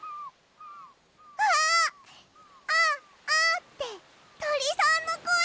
ああ「アア」ってとりさんのこえ。